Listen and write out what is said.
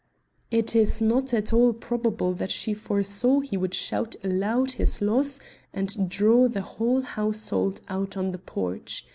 It is not at all probable that she foresaw he would shout aloud his loss and draw the whole household out on the porch.